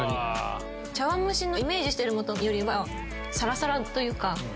茶碗蒸しのイメージしてるものよりはサラサラというか。